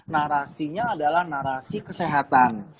narasinya adalah narasi kesehatan